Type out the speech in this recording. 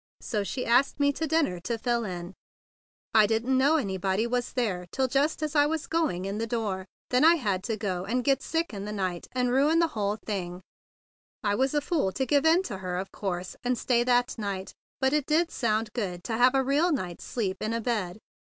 So she asked me to dinner to fill in. I didn't know anybody was there till just as I was going in the door. Then I had to go and get sick in the night, and dish 124 THE BIG BLUE SOLDIER the whole thing. I was a fool to give in to her, of course, and stay that night, but it did sound good to have a real night's sleep in a bed.